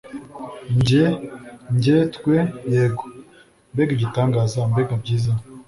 njye, njye, twe? yego. mbega igitangaza. mbega byiza